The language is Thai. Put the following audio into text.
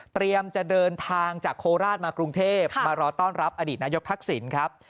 จะเดินทางจากโคราชมากรุงเทพมารอต้อนรับอดีตนายกทักษิณครับ